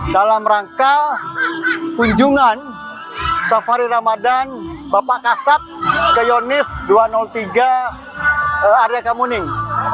dalam rangka kunjungan safari ramadan bapak kasat ke yonif dua ratus tiga arya kamuning